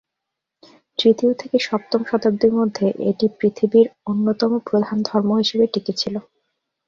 তৃতীয় থেকে সপ্তম শতাব্দীর মধ্যে এটি পৃথিবীর অন্যতম প্রধান ধর্ম হিসেবে টিকে ছিলো।